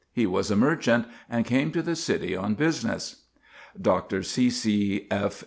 He was a merchant, and came to the city on business. Dr. C. C. F.